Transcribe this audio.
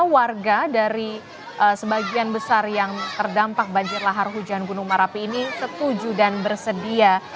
warga dari sebagian besar yang terdampak banjir lahar hujan gunung merapi ini setuju dan bersedia